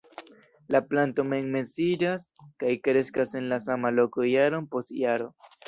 La planto mem-semiĝas, kaj kreskas en la sama loko jaron post jaro.